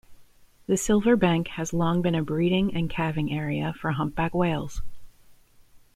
The Silver Bank has long been a breeding and calving area for humpback whales.